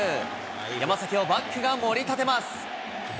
山崎をバックがもり立てます。